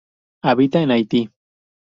Habita en Haiti.